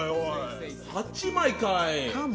８枚かい。